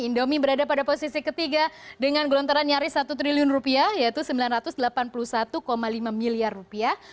indomie berada pada posisi ketiga dengan gelontaran nyaris satu triliun rupiah yaitu sembilan ratus delapan puluh satu lima miliar rupiah